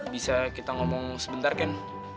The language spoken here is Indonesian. bisa kita ngomong sebentar kan